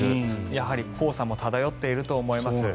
やはり黄砂も漂っていると思います。